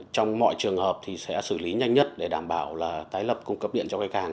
trong mọi trường hợp thì sẽ xử lý nhanh nhất để đảm bảo là tái lập cung cấp điện cho cây càn